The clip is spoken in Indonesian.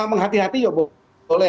menghati hati ya boleh